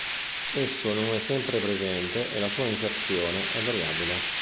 Esso non è sempre presente e la sua inserzione è variabile.